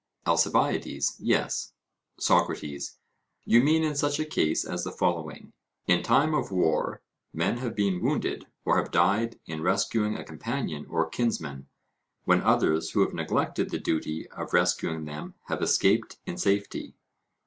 ALCIBIADES: Yes. SOCRATES: You mean in such a case as the following: In time of war, men have been wounded or have died in rescuing a companion or kinsman, when others who have neglected the duty of rescuing them have escaped in safety?